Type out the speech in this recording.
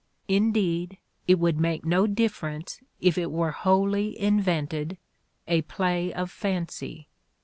Indeed, it would make no difference if it were wholly invented, a play of fancy.